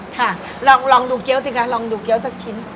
ค่ะลองดูเกี้ยวสิคะลองดูเกี้ยวสักชิ้น